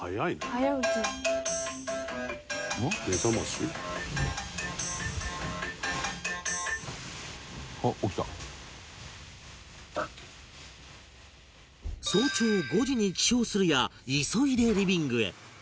早朝５時に起床するや急いでリビングへ